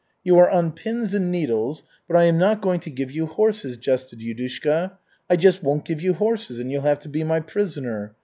"You are on pins and needles, but I am not going to give you horses," jested Yudushka. "I just won't give you horses, and you'll have to be my prisoner.